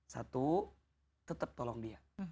satu tetap tolong dia